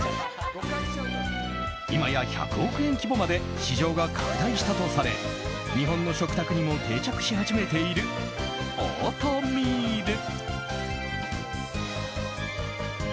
今や１００億円規模まで市場が拡大したとされ日本の食卓にも定着し始めているオートミール。